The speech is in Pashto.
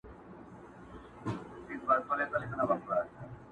د هوا له لاري صحنه ثبتېږي او نړۍ ته ځي.